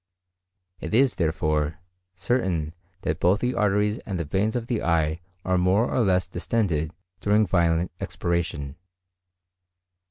It is, therefore, certain that both the arteries and the veins of the eye are more or less distended during violent expiration.